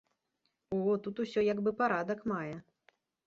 О, тут усё як бы парадак мае.